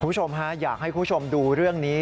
คุณผู้ชมฮะอยากให้คุณผู้ชมดูเรื่องนี้